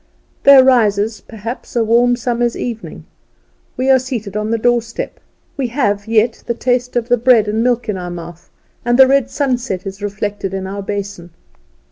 There rises, perhaps, a warm summer's evening; we are seated on the doorstep; we have yet the taste of the bread and milk in our mouth, and the red sunset is reflected in our basin.